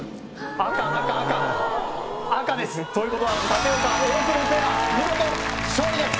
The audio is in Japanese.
赤赤赤赤ですということは舘岡・大久保ペア見事勝利です